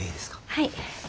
はい。